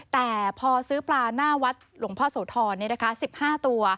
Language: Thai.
แต่พอซื้อปลาหน้าวัดหลวงพ่อโสธร๑๕ตัว